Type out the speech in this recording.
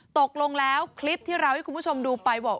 ตกลงแล้วคลิปที่เราให้คุณผู้ชมดูไปบอก